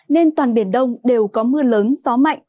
nên toàn biển đông đều có mưa lớn gió mạnh